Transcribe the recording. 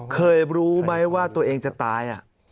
เคยรู้ไหมว่าตัวเองจะตาย